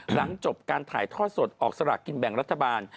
หลังจบการถ่ายทอดสดออกสลากกินแบ่งรัฐบาล